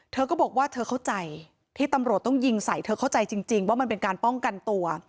เธอก็บอกว่าเธอเข้าใจที่ตำรวจต้องยิงใส่เธอเข้าใจจริงว่ามันเป็นการป้องกันตัว